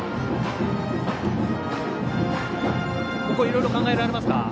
ここいろいろ考えられますか。